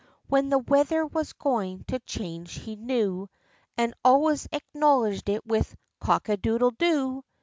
When the weather was going to change he knew, And always acknowledged it with " Cock a doodle doo."